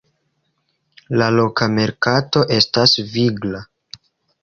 La loka merkato estas vigla.